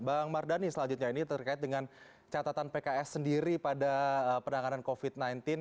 bang mardhani selanjutnya ini terkait dengan catatan pks sendiri pada penanganan covid sembilan belas